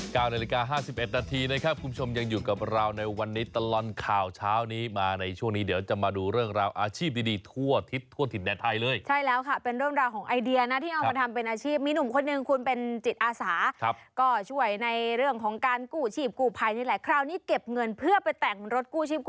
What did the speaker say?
นาฬิกาห้าสิบเอ็ดนาทีนะครับคุณผู้ชมยังอยู่กับเราในวันนี้ตลอดข่าวเช้านี้มาในช่วงนี้เดี๋ยวจะมาดูเรื่องราวอาชีพดีดีทั่วทิศทั่วถิ่นแดนไทยเลยใช่แล้วค่ะเป็นเรื่องราวของไอเดียนะที่เอามาทำเป็นอาชีพมีหนุ่มคนหนึ่งคุณเป็นจิตอาสาครับก็ช่วยในเรื่องของการกู้ชีพกู้ภัยนี่แหละคราวนี้เก็บเงินเพื่อไปแต่งรถกู้ชีพ